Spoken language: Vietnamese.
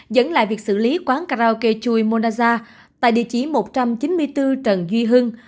dẫn lại việc xử lý quán karaoke chui monaza tại địa chỉ một trăm chín mươi bốn trần duy hưng